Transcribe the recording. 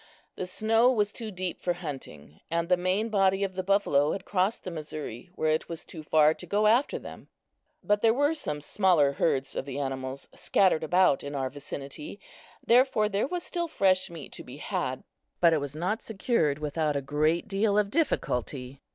The snow was too deep for hunting, and the main body of the buffalo had crossed the Missouri, where it was too far to go after them. But there were some smaller herds of the animals scattered about in our vicinity, therefore there was still fresh meat to be had, but it was not secured without a great deal of difficulty.